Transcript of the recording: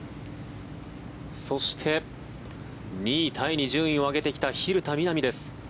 そして２位タイに順位を上げてきた蛭田みな美です。